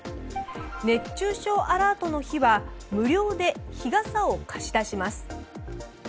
熱中症警戒アラートの日は無料で日傘を貸し出します。